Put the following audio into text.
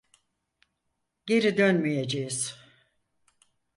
Geri dönmeyeceğiz.